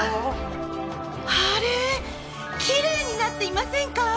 あれキレイになっていませんか？